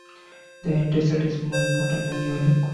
The end result is more important than your look.